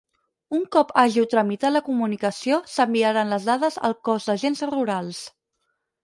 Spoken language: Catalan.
Un cop hàgiu tramitat la comunicació s'enviaran les dades al Cos d'Agents Rurals.